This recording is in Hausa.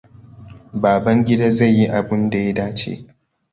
Babangida zai yi abin da ya dace.